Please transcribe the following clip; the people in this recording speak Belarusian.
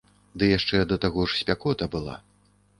Ды яшчэ да таго ж спякота была.